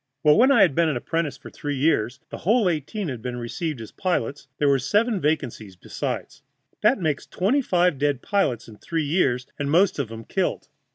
Well, when I had been an apprentice for three years the whole eighteen had been received as pilots, and there were seven vacancies besides. That makes twenty five dead pilots in three years, and most of 'em killed.